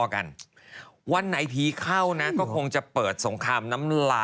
แล้วนี่ใครก็คิดกันหมด